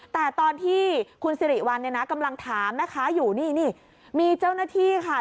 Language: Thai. แต่ตอนที่คุณซิอิววัลนะกำลังถามนะคะอยู่นี่มีเจ้าหน้าที่ค่ะ